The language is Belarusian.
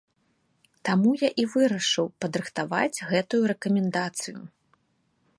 Таму я і вырашыў падрыхтаваць гэтую рэкамендацыю.